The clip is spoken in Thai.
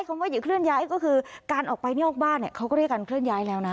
คำว่าอย่าเคลื่อนย้ายก็คือการออกไปนอกบ้านเนี่ยเขาก็เรียกการเคลื่อนย้ายแล้วนะ